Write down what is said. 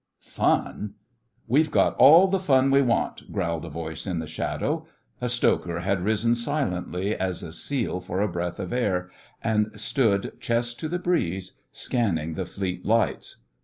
'Fun! We've got all the fun we want!' growled a voice in the shadow. A stoker had risen silently as a seal for a breath of air, and stood, chest to the breeze, scanning the Fleet lights.